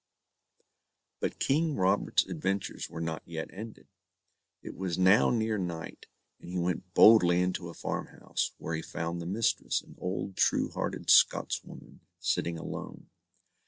But King Robert's adventures were not yet ended. It was now near night, and he went boldy into a farmhouse, where he found the mistress, an old, true hearted Scotswoman, sitting alone.